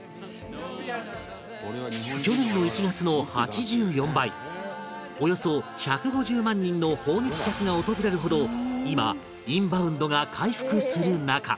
去年の１月の８４倍およそ１５０万人の訪日客が訪れるほど今インバウンドが回復する中